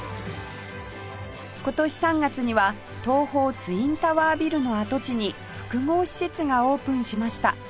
今年３月には東宝ツインタワービルの跡地に複合施設がオープンしました